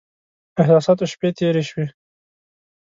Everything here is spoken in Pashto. احساساتو شپې تېرې شوې.